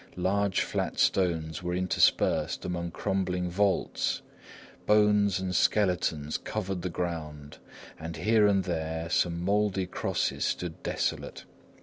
Large flat stones were interspersed among crumbling vaults; bones and skeletons covered the ground, and here and there some mouldy crosses stood desolate.